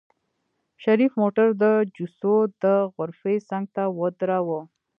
شريف موټر د جوسو د غرفې څنګ ته ودروه.